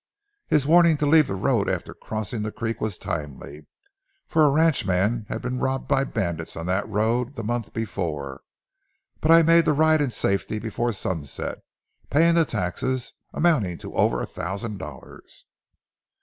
His warning to leave the road after crossing the creek was timely, for a ranchman had been robbed by bandits on that road the month before. But I made the ride in safety before sunset, paying the taxes, amounting to over a thousand dollars.